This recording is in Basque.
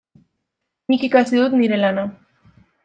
Nik ikasi dut nire lana.